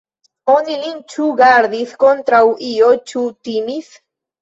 Oni lin ĉu gardis kontraŭ io, ĉu timis.